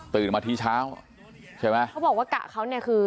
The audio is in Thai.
มาทีเช้าใช่ไหมเขาบอกว่ากะเขาเนี่ยคือ